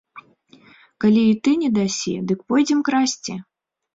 Калі і ты не дасі, дык пойдзем красці.